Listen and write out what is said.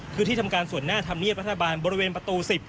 คือที่ทำการส่วนหน้าธรรมเนียบรัฐบาลบริเวณประตู๑๐